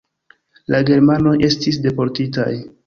La germanoj estis deportitaj.